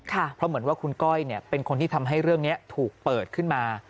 เพราะเหมือนว่าคุณก้อยเป็นคนที่ทำให้เรื่องนี้ถูกเปิดขึ้นมา